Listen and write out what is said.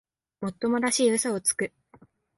もっともらしい嘘をつく